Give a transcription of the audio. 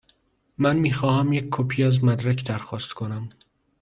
من می خواهم یک کپی از مدرک درخواست کنم.